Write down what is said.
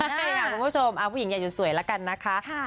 ใช่ค่ะคุณผู้ชมผู้หญิงอย่าอยู่สวยแล้วกันนะคะ